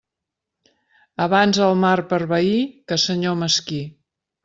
Abans el mar per veí que senyor mesquí.